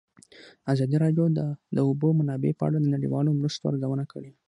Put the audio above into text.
ازادي راډیو د د اوبو منابع په اړه د نړیوالو مرستو ارزونه کړې.